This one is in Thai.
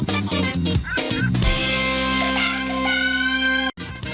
ข้าวใส่ไทยสอบกว่าใครใหม่กว่าเดิมค่อยเมื่อล่า